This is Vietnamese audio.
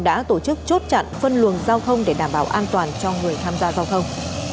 đã tổ chức chốt chặn phân luồng giao thông để đảm bảo an toàn cho người tham gia giao thông